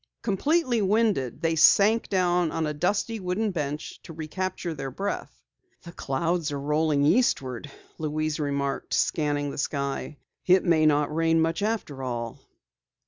Completely winded, they sank down on a dusty wooden bench to recapture their breath. "The clouds are rolling eastward," Louise remarked, scanning the sky. "It may not rain much after all."